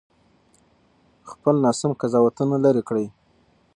خپل ناسم قضاوتونه لرې کړئ.